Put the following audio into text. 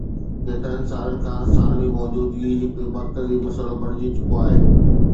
ڪيترن سالن کان ثانوي موجودگي هڪ مرڪزي مسئلو بڻجي چڪو آهي